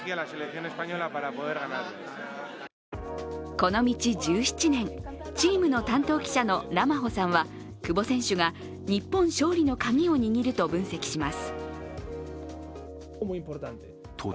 この道１７年、チームの担当記者のラマホさんは久保選手が日本勝利のカギを握ると分析します。